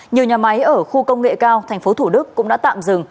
nhiều nhà máy ở khu công nghệ cao tp thủ đức cũng đã tạm dừng